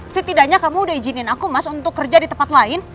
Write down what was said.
setidaknya kamu udah izinin aku mas untuk kerja di tempat lain